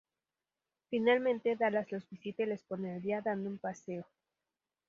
Finalmente, Dallas los visita y les pone al día dando un paseo.